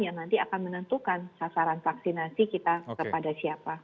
yang nanti akan menentukan sasaran vaksinasi kita kepada siapa